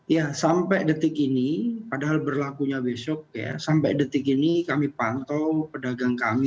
ya sampai detik ini padahal berlakunya besok ya sampai detik ini kami pantau pedagang kami